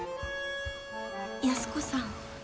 ・安子さん。